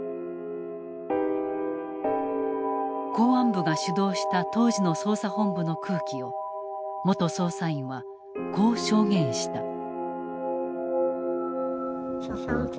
公安部が主導した当時の捜査本部の空気を元捜査員はこう証言した。